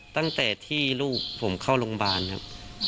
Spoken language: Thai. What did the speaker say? ตั้งแต่ที่ลูกผมเข้าโรงพยาบาลครับ